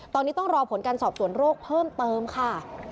ตอนนี้ต้องรอผลการสอบสวนโรคเพิ่มเติมค่ะ